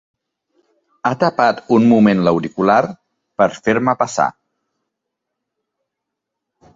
Ha tapat un moment l'auricular per fer-me passar.